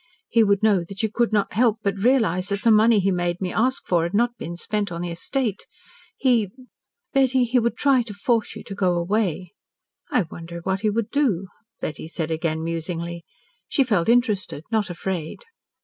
He would know that you could not help but realise that the money he made me ask for had not been spent on the estate. He, Betty, he would try to force you to go away." "I wonder what he would do?" Betty said again musingly. She felt interested, not afraid.